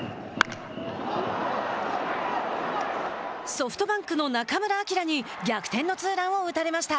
ソフトバンクの中村晃に逆転のツーランを打たれました。